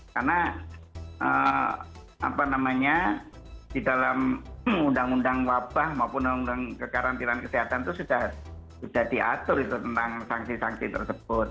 karena di dalam undang undang wabah maupun undang undang kekarantinaan kesehatan itu sudah diatur tentang sanksi sanksi tersebut